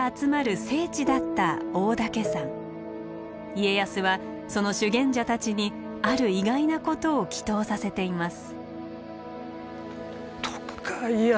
家康はその修験者たちにある意外なことを祈とうさせています。